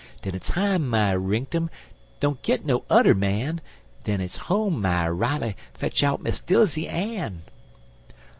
Den it's hi my rinktum! Don't git no udder man; En it's ho my Riley! Fetch out Miss Dilsey Ann!